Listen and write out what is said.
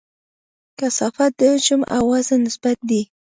کثافت د حجم او وزن نسبت دی.